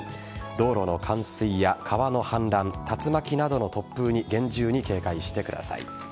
道路の冠水や川の氾濫竜巻などの突風に厳重に警戒してください。